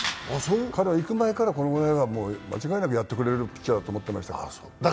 彼は行く前からこれぐらいは間違いなくやってくれると思ってましたから。